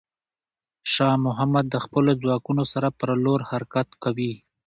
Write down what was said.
شاه محمود د خپلو ځواکونو سره پر لور حرکت کوي.